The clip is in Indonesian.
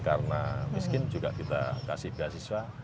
karena miskin juga kita kasih ke siswa